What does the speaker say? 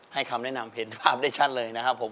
คำแนะนำเห็นภาพได้ชัดเลยนะครับผม